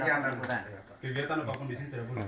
kalau ada kegiatan kegiatan di sini tidak boleh